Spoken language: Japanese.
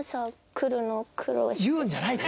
言うんじゃないって！